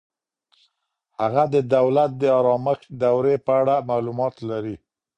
هغه د دولت د آرامښت دورې په اړه معلومات لري.